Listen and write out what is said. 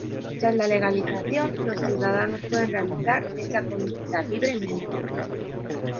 Tras la legalización, los ciudadanos pueden realizar dicha conducta libremente.